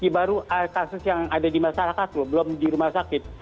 baru kasus yang ada di masyarakat loh belum di rumah sakit